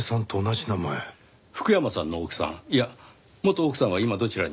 福山さんの奥さんいや元奥さんは今どちらに？